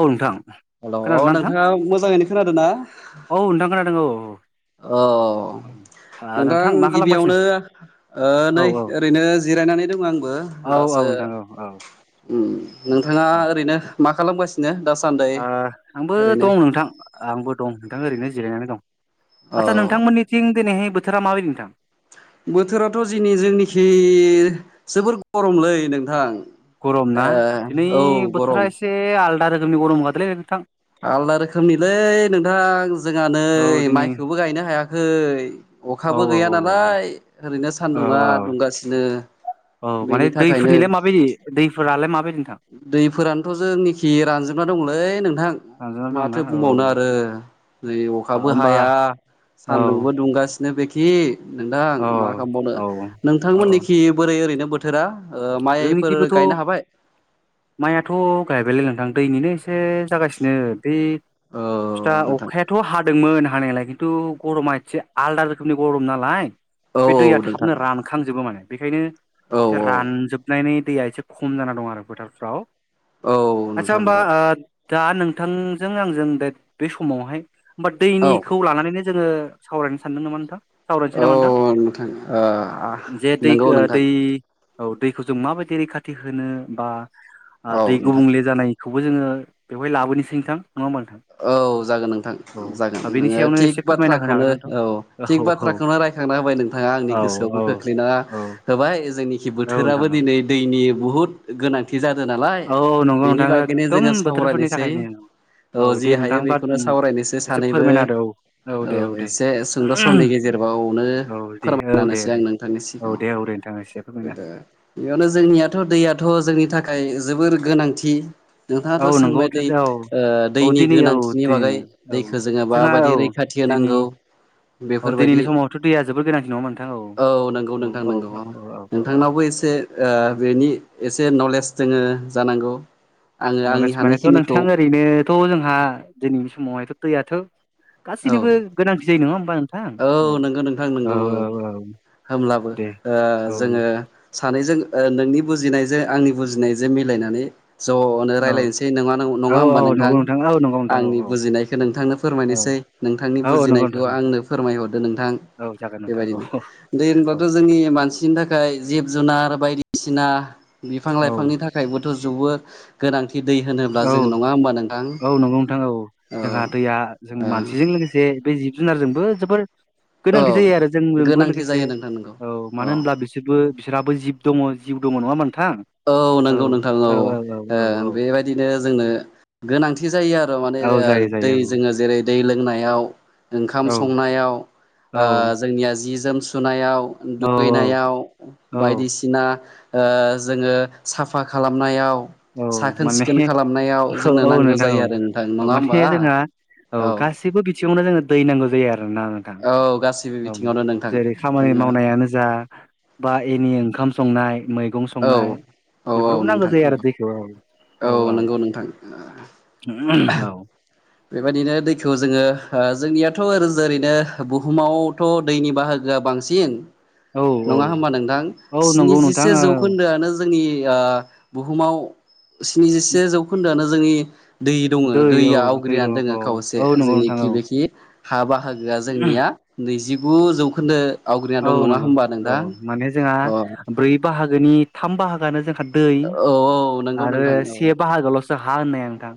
औ नोंथां हेल' खोनादों ना नोंथां नोंथाङा मोजाङैनो खोनादों ना? औ नोंथां खोनादों औ औ औ ओ नोंथां मा खालामगासिनो गिबियावनो ओ औ नै औ ओरैनो जिरायनानै दङ आंबो औ औ दासो नोंथां औ औ उम नोंथाङा औ ओ ओरैनो मा खालामगासिनो दासान्दै आंबो दं ओरैनो? नोंथां आंबो दं नोंथां ओरैनो जिरायनानै दं। औ आस्सा नोंथांमोननिथिं दिनैहाय बोथोरा माबायदि नोंथां? बोथोराथ' जेनि जोंनिखि जोबोर गरमलै नोंथां। ए औ गरम। से आलदा रोखोमनि गरम होदोंलै नोंथां। आलदा रोखोमनिलै नोंथां जोंहा नै औ दिनै माइखौबो गायनो हायाखै औ अखाबो औ गैया औ नालाय। ओरैनो सान्दुङा औ औ औ दुंगासिनो औ माने बेनि थाखायनो दैफोरनिलाय माबायदि दैफोरालाय माबायदि नोंथां? दैफोरानोथ' जोंनिखि रानजोबना दंलै नोंथां लांजाना दंना माथो औ बुंबावनो आरो। नै अखाबो होमबा हाया औ सान्दुंबो दुंगासिनो बेखि नोंथां औ मा खालामबावनो औ औ नोंथांमोननिखि बोरै ओरैनो बोथो थोरा ओ माइफोर जोंनिखिबोथ' गायनो हाबाय? माइआथ' गायबायलै नोंथां दैनिनो एसे जागासिनो बे औ फिथा नोंथां अखाया थ' हादोंमोन हानायालाय खिन्थु गरमा एसे आलदा रोखोमनि गरम नालाय औ बे दैया नोंथां थाबनो रानखांजोबो माने बेखायनो औ एसे औ रानजोब नायनि दैया एसे खम जाना दं आरो फोथारफ्राव औ आदसा नोंथां होमबा औ ओ दा नोंथांजों आंजों दा बे समावहाय होमबा औ दैनिखौ लानानैनो जोङो सावरायनो सानदों नामा नोंथां। सावरायनोसै औ नामा नोंथां नोंथां ओ जे दै नंगौ नोंथां दै औ दैखौ जों माबायदि रैखाथि होनो बा ओ औ दै नोंथां गुबुंले जानाय खौबो जोङो बेवहाय लाबोनोसै नोंथां नङा होमबा नोंथां। औ जागोन नोंथां जागोन औ बेनि नोङो सायावनो एसे थिग फोरमायना होनो बाथ्राखौनो हागोन नोंथां औ थिग बाथ्राखौनो राय खांना होबाय नोंथाङा आंनि औ गोसोआवबो खोख्लैना औ होबाय जोंनिखि औ बोथोराबो नोंथां दिनै दैनि बुहुद गोनांथि जादों नालाय औ औ नंगौ बेनि नोंथां बागैनो एकदम जोङो बोथोरफोरनि सावरायनोसै। थाखायनो औ जि दे हायो नोंथां बा बेखौनो सावरायनोसै एसे सानैबो फोरमायना होदो औ दे दे एसे सुंद' समनि गेजेरबावनो औ दे औ दे फोरमायनानैसै दे आं नोंथांनि औ सिगाङाव दे औ दे नोंथां एसे फोरमायना हो गोदो बेयावनो जोंनियाथ' दैयाथ' जोंनि थाखाय जोबोर गोनांथि। नोंथाङाथ' औ नंगौ सोंबाय दै औ ओ औ दैनि दिनै औ गोनांथिनि दि बागै औ दैखौ जोङो जोंहा माबायदि औ रैखाथि दिनै होनांगौ औ दिनैनि बेफोरबायदि समावथ' दैया जोबोर गोनांथि नङा होमबा नोंथां औ नंगौ नोंथां नंगौ औ नोंथांनावबो बो एसे बेनि एसे नलेज दङो जानांगौ। आङो आंनि नलेज मानेथ' हानायखिनिखौ नोंथां ओरैनोथ' जोंहा दिनैनि समावहायथ' दैयाथ' औ गासैनिबो गोनांथि जायो नङा होमबा नोंथां औ नंगौ नोंथां नंगौ औ औ होमब्लाबो दे ओ औ जोङो सानैजों नोंनि बुजिनायजों आंनि बुजिनायजों मिलायनानै ज'नो औ रायजलायनोसै नङा नो औ नङा होमबा औ नंगौ नोंथां। औ नंगौ नोंथां औ आंनि बुजिनायखौ नोंथांनो औ फोरमायनोसै नोंथांनि औ औ नंगौ बुजिनायखौ नोंथां औ आंनो फोरमायहरदो नोंथां। औ जागोन नोंथां औ बेबायदिनो दै औ होनब्लाथ' जोंनि मानसि मानसिनि थाखाय जिब जुनार बायदिसिना बिफां औ लाइफांनि थाखाय [unintelligible] जुबो गोनां औ औ नोंगौ नोंथां औ जोंहा दैया जों मानसिजों लोगोसे बे जिब जुनारजोंबो जोबोर औ गोनांथि जायो आरो जोंजोंबो गोनांथि लोगोसे जायो नोंथां नोंगौ औ मानो होनब्ला बिसोरबो बिसोरहाबो जिब दङ जिउ दङ नङा होमबा नोंथां औ नोंगौ नोंथां औ ओ बेबाय बिदिनो जोंनो गोनांथि जायो आर माने औ ओ जायो दै जायो औ जोङो जेरै दै लोंनायाव ओंखाम औ संनायाव औ ओ जोंनिया जि जोम सुनायाव औ दुगैनायाव औ बायदिसिना ओ जोङो साफा खालामनायाव औ साखोन माने सिखोन खालामनायाव औ जोंनो औ नांगौ नोंथां औ जायो आरो नोंथां औ नङा माने होमबा। जोंहा औ गासैबो बिथिङावनो जोङो दै नांगौ जायो आरो ना। थां औ गासैबो औ बिथिङावनो नोंथां जेरै खामानि जोङो मावनायानो जा बा एनि ओंखाम संनाय मैगं औ संनाय औ औ बेफोरावबो नांगौ नोंथां जायो आरो दैखौ। औ नंगौ नोंथां औ बेबायदिनो दैखौ जोङो ओ जोंनियाथ' ओरै जेरैनो बुहुमाव थ' दैनि बाहागोआ बांसिन औ औ नङा होमबा नोंथां औ नंगौ नोंथां स्निजिसे औ जौखोन्दोआनो जोंनि ओ बुहुमाव स्निजिसे जौखोन्दोआनो जोंनि दै दङो औ दैया दै आवग्रियनानै दं दङो औ खावसे औ नंगौ जोंनि नोंथां औ गिबिखि हा बाहागोआ जोंनिया नैजिगु जौखोन्दो आवग्रिना औ दं नङा नंगौ होमबा औ नोंथां माने जोंहा अ ब्रै बाहागोनि थाम बाहागोआनो जोंहा दै औ नंगौ आरो नोंथां औ से बाहागोल' हा होननाया नोंथां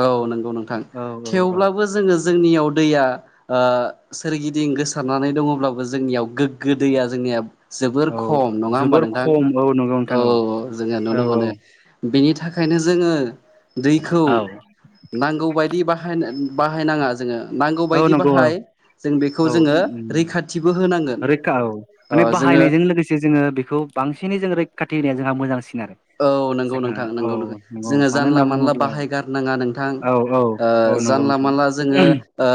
औ नोंगौ नोंथां औ औ औ थेवब्लाबो जोङो जोंनियाव दैया ओ सोरगिदिं गोसारनानै दङब्लाबो जोंनियाव गोग्गो दैया जोंनिया जोबोर औ खम नङा होमबा जोबोर नोंथां खम औ नंगौ नोंथां औ जोङो औ नुनो मोनो बिनि थाखायनो जोङो दैखौ औ औ नांगौ बायदि बाहायनो बाहायनाङा जोङो नांगौ औ बायदि नंगौ औ बाहाय जों बेखौ औ जोङो रैखाथिबो होनां रैखा औ माने बाहायनायजों लोगोसे जोङो बेखौ बांसिनै जों रैखाथि होनाया जोंहा मोजांसिन आरो औ नंगौ जोंहा नोंथां औ नंगौ नोंथां नंगौ जोङो मानो जानला होनना मानला बुङोब्ला बाहायगारनाङा नोंथां औ औ ओ औ नंगौ जानला नोंथां मानला जोङो ओ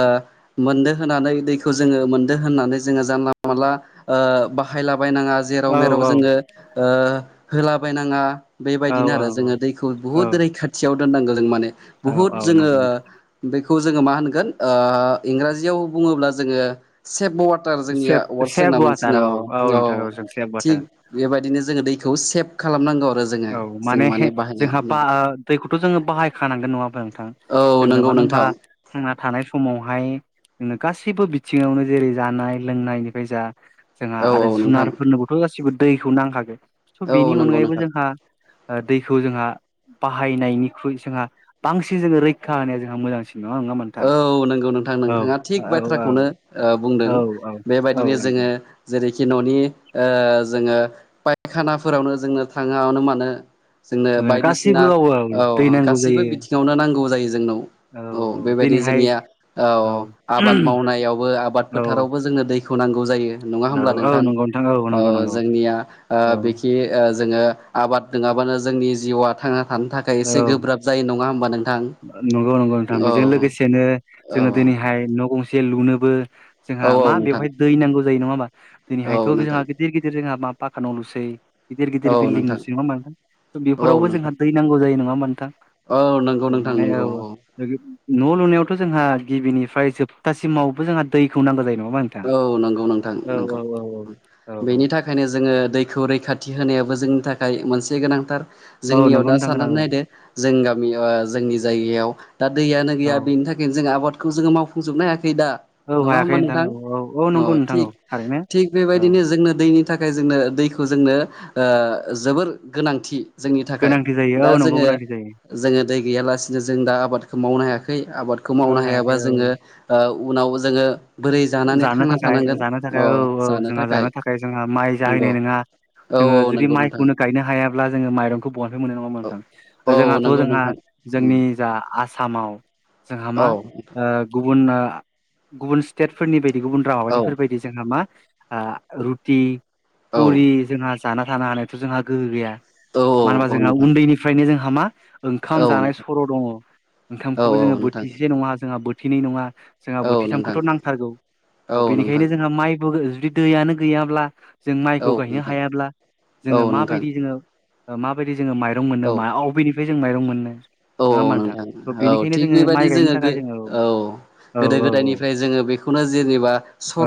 मोनदो होनानै दैखौ जोङो मोनदो होननानै जोङो जानला मानला ओ बाहायलाबायनाङा औ जेराव मेराव जोङो ओ होलाबायनाङा औ बेबायदिनो आरो जोङो दैखौ औ बुहुद रैखाथियाव दोननांगौ जों माने औ औ बुहुद जोङो नंगौ नोंथां बेखौ जोङो मा होनगोन इंराजियाव बुङोब्ला जोङो सेभ वाट टार जोंनिया सेभ वारदस होनना सेभ वाटार मोनसिना औ औ नोंथां जों सेभ वाटार थिग बेबायदिनो जोङो दैखौ सेभ खालामनांगौ आरो जोङो औ माने जों बाहायनायाव जोंहा बा नंगौ दैखौथ' जोङो बाहायखानांगोन नङा होमब्ला नोंथां औ जोंनो नंगौ मानो होनबा नोंथां थांना थानाय समावहाय जोंनो गासैबो बिथिङावनो जेरै जानाय लोंनायनिफ्राय जा जोंहा औ औ आरो नोंथां जुनारफोरनोबोथ' गासिबो दैखौ नांखागो स' औ बेनि नंगौ अनगायैबो नोंथां जों दा दा दैखौ जोंहा बाहायनायनिख्रुइ जोंहा बांसिन जोङो रैखा होनाया जोंहा मोजांसिन नङा नोंथां औ नोंगौ नोंथां औ नोंथाङा औ थिग औ बाथ्राखौनो बुंदों औ औ बेबायदिनो औ जोङो जेरैखि न'नि ओ जोङो फायखानाफोरावनो जोंनो थाङावनो मानो जोंनो जों बायदिसिना गासिबो औ दै नांगौ गासैबो जायो बिथिङावनो नांगौ जायो जोंनाव औ बायदि जोंनिया औ आबाद मावनायावबो आबाद औ फोथारावबो जोंनो दैखौ नांगौ जायो नङा औ होमब्ला औ नोंथां नंगौ औ ओ नंगौ नंगौ जोंनिया औ बिखि ओ जोङो आबाद नङाबानो जोंनि जिउआ थांना थानो थाखाय एसे औ गोब्राब जायो नङा होमबा नों नंगौ नंगौ नोंथां बेजों लोगोसेनो औ जोङो दिनैहाय न' गंसे लुनोबो जोंहा औ मा नोंथां बेवहाय दै नांगौ जायो नङा होमबा दिनैहायथ' औ जोंहा नोंथां गिदिर गिदिर जोंहा मा फाखान' लुसै गिदिर औ गिदिर बिल्डं नोंथां लुसै नङाहोमबा नोंथां? स' औ बेफोरावबो नोंथां जोंहा दै नांगौ जायो नङा होमबा नोंथां? औ नों औ माने औ। न' लुनायावथ' जोंहा गिबिनिफ्राय जोबथासिमावबो जोंहा दैखौ नांगौ जायो नङा होमबां नों औ नंगौ नोंथां नोंगौ औ बेनि थाख बेखायनो जोङो दैखौ रैखाथि होनायाबो जोंनि थाखाय मोनसे गोनांथार औ जोंनियाव नंगौ दा नोंथां औ साननानै नायदो जों गामि ओ जोंनि जायगायाव दा दैयानो औ गैया बेनि थाख [unintelligible] जों आबादखौ जों मावफुंजोबनो हायाखै दा औ नङा हायाखै होमबा नोंथां औ औ नंगौ अ नोंथां औ थिग थारैनो थिग औ बेबायदिनो जोंना दैनि था खाय जोंनो दैखौ जोंनो ओ जोबोर गोनांथि जोंनि थाखाय गोनांथि जायो दा औ नंगौ जोङो गोनांथि जायो जोङो दै गैयालासिनो जों दा आबादखौ मावनो हायाखै आबादखौ औ मावनो हायाबा हायाखै औ जोङो ओ उनाव जोङो बोरै जानानै जानो थांना थाखाय थानांगोन जानो थाखाय अ औ औ जोंहा जानो थाखाय जोंहा माइ जाहैनाय नंगौ नोङा। औ जोङो औ जुदि नंगौ नोंथां माइखौनो गायनो हाया अब्ला जोङो मायरंखौ बहानिफ्राय मोननो नङा होनबा औ औ नोंथां? जोंहाथ' नंगौ जोंहा नोंथां उम जोंनि जा आ सामाव जोंहा मा औ ओ गुबुन ओ गुबुन स्टेटफोरनि बायदि गुबुन राव औ माबानिफोर बायदि जोंहा मा ओ रुटि औ पुरि जोंहा जाना थानो हानायाथ' जोंहा गोहो गैया औ मानो होनबा औ जोंहा नोंथां उन्दैनिफ्रायनो जोंहा मा ओंखाम औ जानाय नोंथां सर' दङ औ ओंखामखौबो जोङो औ नोंथां बोथिसे नङा जोंहा बोथिनै नङा जोंहा औ नोंथां बोथिथामखौथ' नांथारगौ औ नोंथां बेनिखायनो जोंहा माइबो जुदि दैयानो गैयाब्ला जों औ माइखौ गायनो नोंथां हायाब्ला औ जोङो नोंथां माबायदि जोङो माबायदि जोङो माइ रं मोननो औ मा अबेनिफ्राय जों माइरं मोननो? औ नङा औ होमबा नोंथां स' औ बेनिखायनो थिग जोङो माइ बेबायदि गायनो जोङो थाखाय औ औ गोदो औ गोदायनिफ्राय जोङो बे खौनो जेनेबा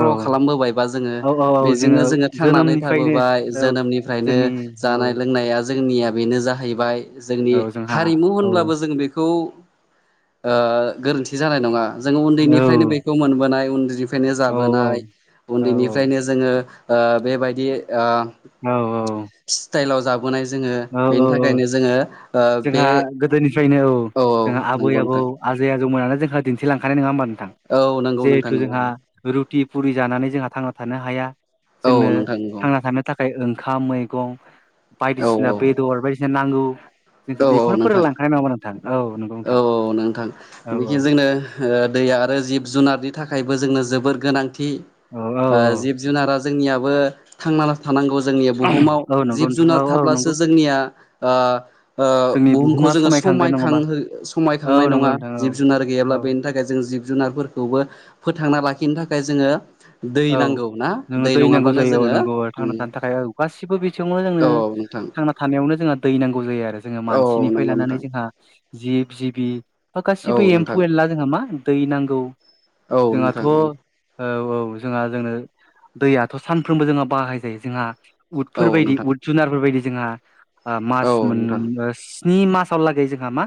औ खालामबोबाय बा जोङो औ औ औ बेजोंनो जोङो थांनानै जोनोमनिफ्रायनो थाबोबाय औ जोनोमनिफ्रायनो जोंनि औ जानाय लोंनाया जोंनिया बेनो जाहैबाय जोंनि औ जोंहा हारिमु औ होनबा जों बेखौ ओ गोरोन्थि जानाय नङा जों औ उन्दैनिफ्रायनो बे खौ मोनबोनाय उन्दैनिफ्रायनो औ जाबोनाय औ औ उन्दैनिफ्रायनो जोङो ओ बेबायदि ओ औ। स्टाइलाव जाबोनाय जोङो औ बेनि औ थाखायनो जोङो ओ जोंहा बे गोदोनिफ्रायनो औ जोंहा आबै नंगौ आबौ नोंथां आजै आजौ मोनानो जोंहा दिन्थिलांखानाय नङा होमबा नों थां? औ नंगौ जिहेथु नोंथां औ जोंहा रुटि पुरि जानानै जोंहा थांना थानो हाया औ जोंनो नोंथां नंगौ थांना थानो थाखाय ओंखाम मैगं औ बायदिसि [unintelligible] बायदिसिना नांगौ औ जोंखौ औ बेखौनो नोंथां फोरोंलांखानाय नङा होमबख नोंथां? औ नों औ औ नोंथां बिखि जोंनो ओ दैया आरो जिब जुनारनि थाखायबो जोंनो जोबोर गोनांथि औ औ ओ जिब जुनारा जोंनियाबो थांना थानांगौ जोंनिया बुहुमाव औ नंगौ जिब नोंथां औ जुनार औ थाब्लासो नंगौ जोंनिया ओ ओ जोंनि बुहुमखौ बुहुमा जोङो समायखांगोन नङाबा समखांहो औ समायखांनाय नंगौ नङा नोंथां औ जिब जुनार औ गैयाब्ला बे नि थाखाय जों जिब जुनारफोरखौबो फोथांना लाखिनो थाखाय जोङो दै औ नांगौ ना जोंनो दै नांगौ नङाब्लानो जायो औ जोङो नंगौ उम थांना थानो थाखाय औ गासिबो बिथिङावनो जोंनो औ नोंथां थांना थानायावनो जोंहा दै नांगौ जायो आरो जोङो औ मानसिनिफ्राय नंगौ नोंथां लानानै जोंहा जिब जिबि बा औ गासिबो नोंथां एम्फौ एनला जोंहा मा दै नांगौ औ जोंहाथ' नोंथां औ औ जोंहा जोंनो दैयाथ' सानफ्रोमबो जोंहा बाहाय जायो जोंहा औ उदफोर बायदि नोंथां उद जुनारफोरबायदि जोंहा आ मास औ मोन नोंथां स्नि मासा लागै जोंहा मा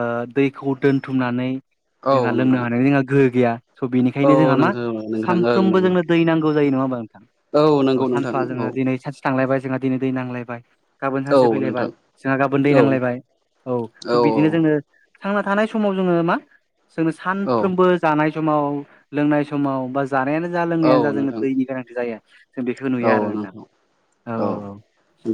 ओ दैखौ दोनथुमनानै औ जोंहा लोंनो नोंथां हानायनि जोंहा गोहो गैया स' बेनिखायनो औ जोंहा मा नोंथां नोंथां साम ओं नंगौ दै नांगौ जायो नङा होमबा नोंथां औ नंगौ नोंथां सानफा औ जोङो दिनै सानसे थांलायबाय जोंहा दिनै दै नांलायबाय गाबोन सानसेसे औ फैलायबाय नोंथां जोंहा गाबोन दै औ नांलायबाय औ स' बिदिनो जोङो थांना थानाय समाव जोङो मा जोंनो औ सानफ्रोमबो जानाय समाव लोंनाय समाव बा जानायानो जा औ लोंनायानो जा जोंनो नोंथां दैनि गोनांथि जायो। जों बेखौ नुयो आरो नोंथां औ औ औ।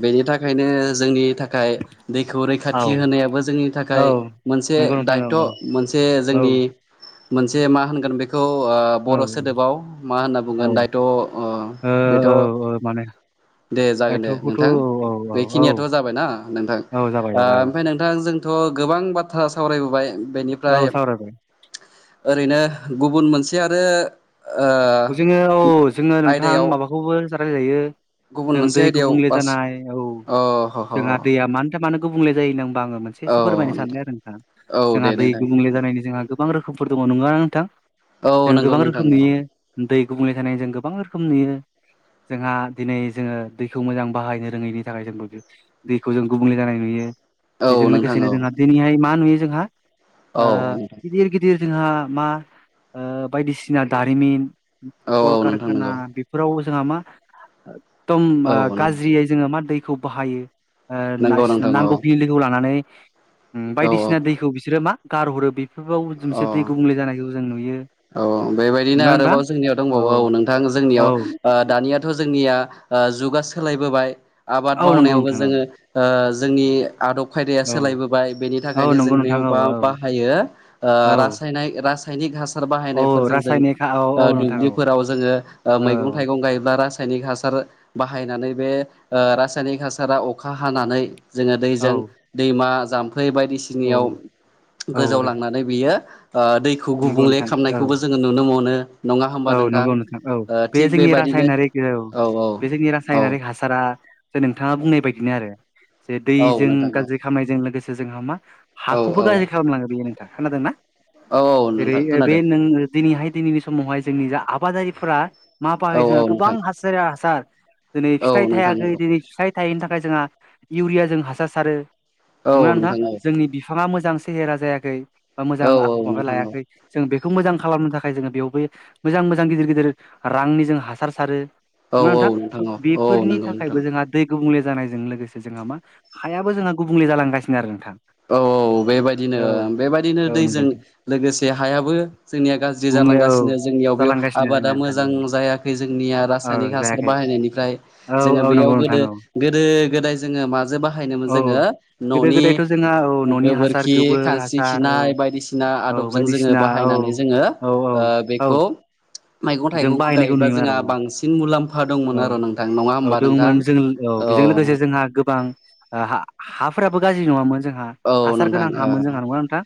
बेनि थाखायनो जोंनि थाखाय दैखौ औ रैखाथि होनायाबो जोंनि औ थाखाय मोनसे नंगौ नोंथां औ दायथ' मोनसे औ जोंनि मोनसे मा होनगोन बे खौ ओ औ बर' सोदोबाव मा होनना औ बुंगोन दायथ' अ औ औ बेथ' औ माने दे जागोन दे दायथ'खौथ' औ नोंथां औ औ बेखिनियाथ' जाबायना नोंथां औ जाबाय ओ जाबाय औ ओमफ्राय नों थां जोंथ' गोबां बाथ्रा सावरायबोबाय औ बेनिफ्राय सावरायबाय ओरैनो गुबुन मोनसे आरो जोङो औ ओ जोङो नोंथां आयदायाव माबाखौबो सावरायजायो गुबुन जों मोनसे दै आयदायाव गुबुंले बास जानाय औ अ ह ह जोंहा दैया मानो मानो गुबुंले जायो होनना बुंबा आंङो मोनसे सो फोरमायनो सानदों आरो नोंथां औ जोंहा दे दै नोंथां गुबुंले जानायनि जोंहा गो गोबां रोखोमफोर दङ नंगौना नोंथां औ जों नंगौ गोबां नोंथां रोखोम औ नुयो दै गुबुंले जानाय जों गोबां रोखोम नुयो जोंहा दिनै जोङो दैखौ मोजां बाहायनो रोङैनि थाखाय जोंबो दैखौ जों गुबुंले जानाय नुयो औ बेजों नोंथां लोगोसेनो औ जोंहा दिनैहाय मा नुयो जोंहा ओ औ नोंथां गिदिर गि दिर जोंहा मा ओ बायदिसिना दारिमिन औ नोंथां कलकारखाना नंगौ फोराव जोंहा मा एकदम औ ओ गाज्रियै जोङो मा दैखौ बाहायो नंगौ ओ नोंथां औ नांगौखिनि दैखौ लानानै औ बायदिसिना दैखौ बिसोरो मा गारहरो बे [unintelligible] मोनसे औ दै गुबुंले जानायखौ जों नुयो औ बेबायदिनो नंगौना नोंथां आरोबाव जोंनियाव दंबावो औ नोंथां औ जोंनियाव ओ दानियाथ' जोंनिया जुगा सोलायबोबाय आबाद औ नंगौ मावनायावबो नोंथां औ जोङो ओ जोंनि आदब खायदाया औ सोलायबोबाय बेनि औ थाखायनो नंगौ नोंथां जोंनियाव औ बा औ बाहायो ओ औ रासायनाय रासायनिक हा सार औ बाहायनायफोरजों जों रासायनिक हा- औ ओ औ नोंथां औ दुब्लिफोराव जोङो ओ औ मैगं थाइगं गायोब्ला रासायनिक हास सार बाहायनानै बे ओ रासायनिक हासारा अखा हानानै जोङो औ दैजों दैमा जाम्फै औ बायदिसिनायाव गोजाव औ लांनानै बियो ओ दै खौ नंगौ गुबुंले नोंथां औ खालामामनायखौबो जोङो नुनो मोनो नङा होमबा औ नंगौ नोंथां औ ओ बे थिग जोंनि बेबायदिनो रासायनारिक औ बे जोंनि औ रासायनारिक हासारा जे नोंथाङा बुंनाय बायदिनो आरो जे औ दैजों नोंथां औ गाज्रि खामायजों लोगोसे जोंहा मा औ हाखौबो औ गाज्रि खालामलाङो बेयो नोंथां खोनादोंना औ औ जेरै नोंथां बे खोनादों नों दिनैहाय दिनैनि समावहाय जोंनि जा आबादारिफोरा मा औ बाहायो औ जोंहा गोबां नोंथां हासारै हासार दिनै औ फिथाइ नोंथां थायाखै नंगौ दिनै फिथाइ थायैनि थाखाय जोंहा इउरिया जों हासार सारो औ नंगौना नोंथां औ जोंनि बिफाङा मोजां सेहेरा जायाखै बा औ मोजां आख' औ माबा नोंथां औ लायाखै जों बेखौ मोजां खालामनो थाखाय जोङो बेयावबो मोजां मोजां गिदिर गिदिर रांनि जों हासार सारो औ नंगौना औ नोंथां स' औ औ बेफोरनि नंगौ नोंथां थाखायबो जोंहा दै गुबुंले जानायजों लोगोसे जोंहा मा हायाबो जोंहा गुबुंले जालांगासिनो आरो नोंथां औ औ बेबायदिनो औ बेबायदिनो औ नंगौ दैजों नोंथां लोगोसे हायाबो जोंनिया गाज ज्रि गुबुंले औ जालांगासिनो जोंनियाव बेयाव जालांगासिनो आबादा जोंना नोंथां मोजां औ जायाखै जोंनिया औ रासायनिक हासार जायाखै बाहायनायनिफ्राय औ जोङो औ बेयाव नंगौ नोंथां गोदो औ गोदो गोदाय जोङो माजों बाहायनोमोन औ जोङो गोदो न'नि गोदायथ' जोंहा औ न'नि हासार गोबोरखि गोबोर खानस्रि हासार औ खिनाय बायदिसिना औ आदबजों जोङो बायदिसिना औ बाहायनानै जोङो औ औ ओ औ बेखौ मैगं जों थाइगंखौ बाहायनायखौ गायोब्ला नुयोमोन जोंहा आरो बांसिन मुलाम्फा औ दंमोन आरो औ नोंथां नङा औ होमबा नोंथां? दङमोन जों औ बिजों लोगोसे जोंहा गोबां ओ हा-हाफोराबो गाज्रि नङामोन जोंहा औ हासार नोंथां गोनां ओ हामोन जोंहा नगोङा नोंथां?